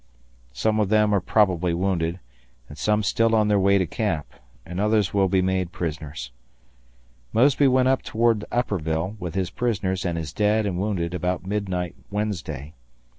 Some of them are probably wounded, and some still on their way to camp, and others will be made prisoners. Mosby went up toward Upperville with his prisoners and his dead and wounded about midnight Wednesday.